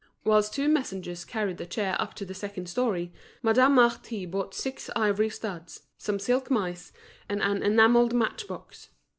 Whilst two messengers carried the chair up to the second storey, Madame Marty bought six ivory studs, some silk mice, and an enamelled match box.